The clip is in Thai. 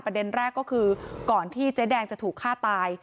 ประเด็นแรกก็คือก่อนที่เจ๊แดงจะถูกฆ่าตาย